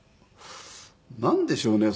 なんでしょうね。